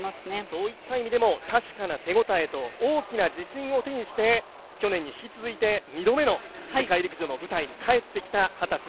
そういった意味でも確かな手応えと大きな自信を手にして去年に引き続いて、２度目の世界陸上の舞台に帰ってきた秦澄